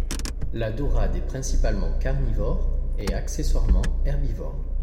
La daurade est principalement carnivore et accessoirement herbivore.